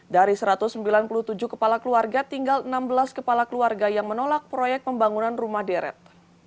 dari satu ratus sembilan puluh tujuh kepala keluarga tinggal enam belas kepala keluarga yang menolak proyek pembangunan rumah deret